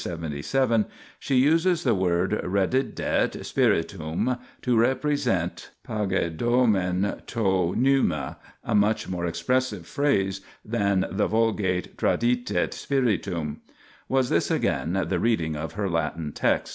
77, she uses the words reddidit spiritum to represent naoedwxev TO nvevfta, a much more expressive phrase than the Vulg. tradidit spiritum. Was this again the reading of her Latin text?